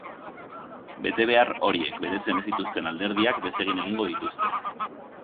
Betebehar horiek betetzen ez dituzten alderdiak desegin egingo dituzte.